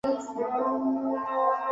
আর এটি সবুজের পরিপূরক রঙ।